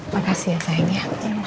makasih ya sayang ya